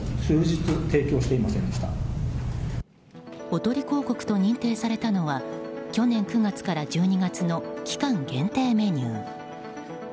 おとり広告と認定されたのは去年９月から１２月の期間限定メニュー。